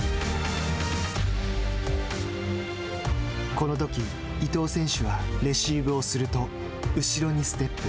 このとき、伊藤選手はレシーブをすると後ろにステップ。